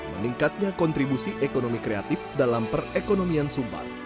meningkatnya kontribusi ekonomi kreatif dalam perekonomian sumbar